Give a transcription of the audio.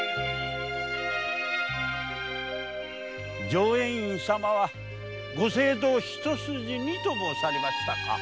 浄円院様は「ご政道一筋に」と申されましたか。